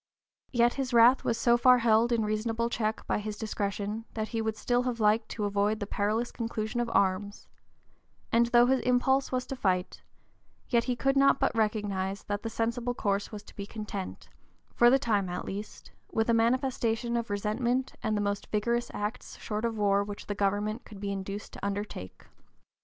Yet his wrath was so far held in reasonable check by his discretion that he would still have liked to avoid the perilous conclusion of arms, and though his impulse was to fight, yet he could not but recognize that the sensible course was to be content, for the time at least, with a manifestation of resentment, and the most vigorous acts short of war which the government could be induced to undertake.